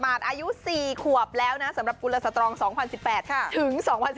อายุ๔ขวบแล้วนะสำหรับกุลสตรอง๒๐๑๘ถึง๒๐๑๙